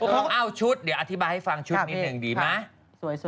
ผมเอาชุดเดี๋ยวอธิบายให้ฟังชุดนิดหนึ่งดีไหม